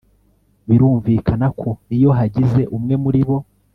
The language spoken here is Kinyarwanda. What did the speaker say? birumvikana ko iyo hagize umwe muri bo